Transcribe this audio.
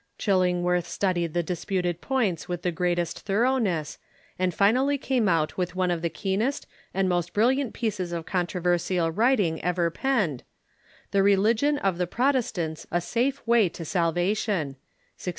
Chil lingworth studied the disputed points with the greatest thor oughness, and finally came out with one of the keenest and most brilliant pieces of controversial writing ever ])enned, "The Religion of the Protestants a Safe Way to Salvation" (1637 38).